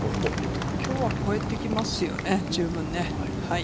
今日は越えてきますね、十分。